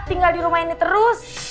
tinggal di rumah ini terus